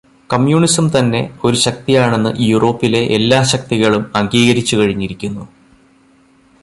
കമ്മ്യൂണിസംതന്നെ ഒരു ശക്തിയാണെന്നു യൂറോപ്പിലെ എല്ലാ ശക്തികളും അംഗീകരിച്ചുകഴിഞ്ഞിരിക്കുന്നു.